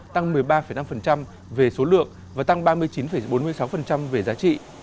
tăng một mươi ba năm về số lượng và tăng ba mươi chín bốn mươi sáu về giá trị